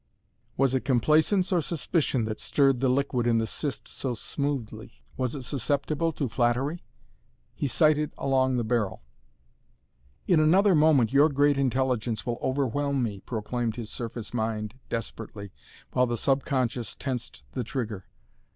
Was it complacence or suspicion that stirred the liquid in the cyst so smoothly? Was it susceptible to flattery? He sighted along the barrel. "In another moment your great intelligence will overwhelm me," proclaimed his surface mind desperately, while the subconscious tensed the trigger.